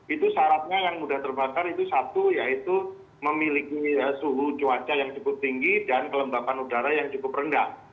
itu syaratnya yang mudah terbakar itu satu yaitu memiliki suhu cuaca yang cukup tinggi dan kelembapan udara yang cukup rendah